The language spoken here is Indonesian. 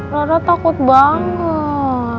rara takut banget